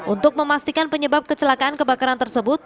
untuk memastikan penyebab kecelakaan kebakaran tersebut